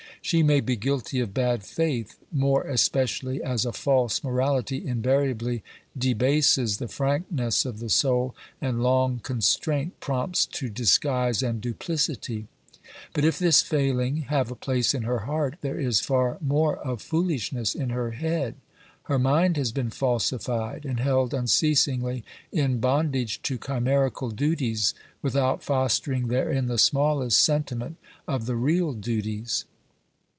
She may be guilty of bad faith, more especially as a false morality invariably debases the frankness of the soul, and long constraint prompts to disguise and duplicity. But if this failing have a place in her heart, there is far more of foolishness in her head. Her mind has been falsified and held unceasingly in bondage to chimerical duties, without fostering therein the smallest sentiment of the real duties.